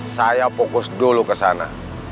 saya fokus dulu ke sana